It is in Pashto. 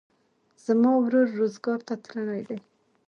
زما ورور روزګان ته تللى دئ.